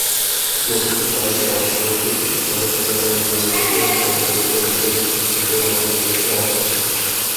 নতুন গাড়ি পার্শ্ববর্তী দেশ ভারত ছাড়াও ইন্দোনেশিয়া, থাইল্যান্ডসহ বিভিন্ন দেশ থেকে বাংলাদেশ আসছে।